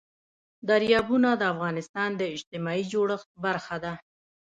دریابونه د افغانستان د اجتماعي جوړښت برخه ده.